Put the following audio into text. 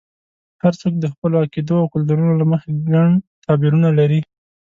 هر څوک د خپلو عقیدو او کلتورونو له مخې ګڼ تعبیرونه لري.